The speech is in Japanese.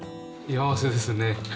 幸せですね。